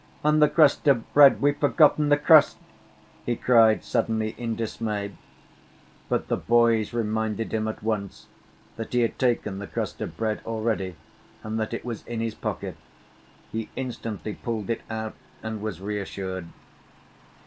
"And the crust of bread, we've forgotten the crust!" he cried suddenly in dismay. But the boys reminded him at once that he had taken the crust of bread already and that it was in his pocket. He instantly pulled it out and was reassured.